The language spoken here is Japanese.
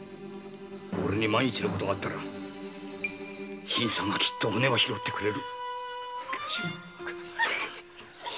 オレに万一の事があったら新さんがきっと骨は拾ってくれる。